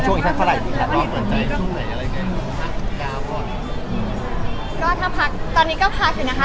ช่วงอีกทั้งเท่าไหร่อยู่ค่ะตอนนี้ก็พักอยู่นะคะ